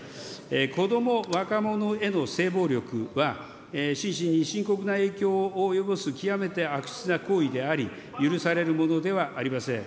子ども、若者への性暴力は心身に深刻な影響を及ぼす極めて悪質な行為であり、許されるものではありません。